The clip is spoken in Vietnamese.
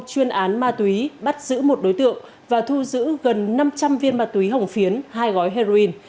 chuyên án ma túy bắt giữ một đối tượng và thu giữ gần năm trăm linh viên ma túy hồng phiến hai gói heroin